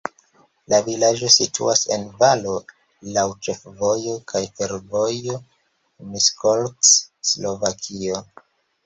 La vilaĝo situas en valo, laŭ ĉefvojo kaj fervojo Miskolc-Slovakio.